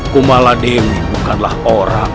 kumala devi bukanlah orang